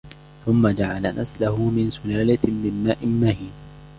ثُمَّ جَعَلَ نَسْلَهُ مِنْ سُلَالَةٍ مِنْ مَاءٍ مَهِينٍ